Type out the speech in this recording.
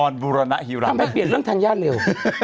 ทำไมเปลี่ยนเรื่องธัญญาเร็ว